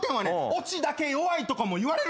オチだけ弱いとかも言われるよ。